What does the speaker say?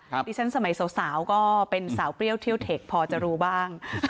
ดิฉันสมัยสาวก็เป็นสาวเปรี้ยวเที่ยวเทคพอจะรู้บ้าง